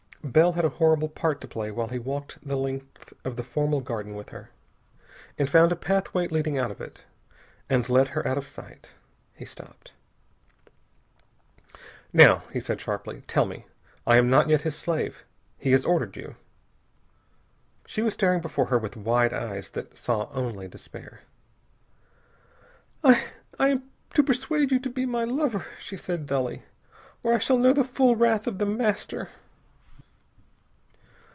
Bell had a horrible part to play while he walked the length of the formal garden with her, and found a pathway leading out of it, and led her out of sight. He stopped. "Now," he said sharply, "tell me. I am not yet his slave. He has ordered you...." She was staring before her with wide eyes that saw only despair. "I I am to persuade you to be my lover," she said dully, "or I shall know the full wrath of The Master...."